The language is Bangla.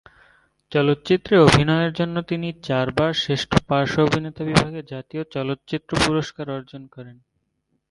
চলচ্চিত্রে অভিনয়ের জন্য তিনি চারবার শ্রেষ্ঠ পার্শ্ব অভিনেতা বিভাগে জাতীয় চলচ্চিত্র পুরস্কার অর্জন করেন।